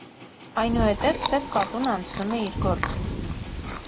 Այնուհետև սև կատուն անցնում է իր գործին։